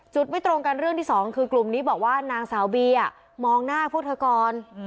ไม่ตรงกันเรื่องที่สองคือกลุ่มนี้บอกว่านางสาวบีมองหน้าพวกเธอก่อน